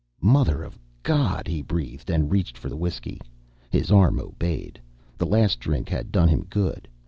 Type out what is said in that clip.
"Mother of God!" he breathed, and reached for the whiskey. His arm obeyed. The last drink had done him good.